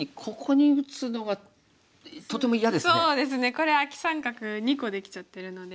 これアキ三角２個できちゃってるので。